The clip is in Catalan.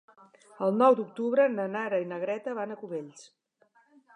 El nou d'octubre na Nara i na Greta van a Cubells.